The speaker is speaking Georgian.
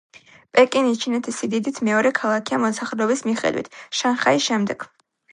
პეკინი ჩინეთის სიდიდით მეორე ქალაქია მოსახლეობის მიხედვით, შანხაის შემდეგ.